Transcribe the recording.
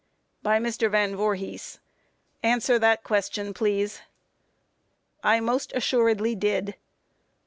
By MR. VAN VOORHIS: Q. Answer that question, please? A. I most assuredly did.